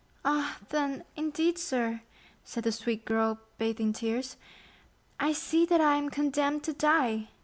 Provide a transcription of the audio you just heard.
"Ah, then, indeed, sir," said the sweet girl, bathed in tears, "I see that I am condemned to die!"